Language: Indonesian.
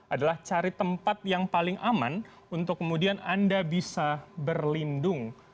adalah cari tempat yang paling aman untuk kemudian anda bisa berlindung